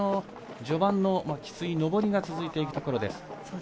序盤のきつい上りが続いているところです。